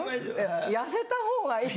痩せたほうがいい。